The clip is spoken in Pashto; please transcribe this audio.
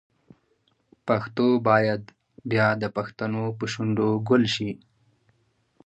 پښتو باید بیا د پښتنو په شونډو ګل شي.